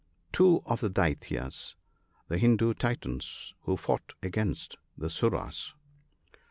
— Two of the Daityas, the Hindoo Titans who fought against the Suras.